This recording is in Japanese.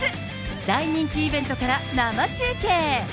大人気イベントから生中継。